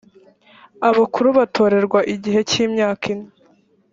abakuru batorerwa igihe cy’imyaka ine